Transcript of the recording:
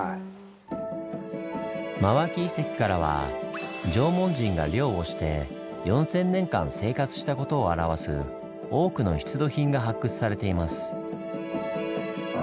真脇遺跡からは縄文人が漁をして４，０００年間生活したことをあらわす多くの出土品が発掘されています。